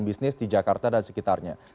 bisnis di jakarta dan sekitarnya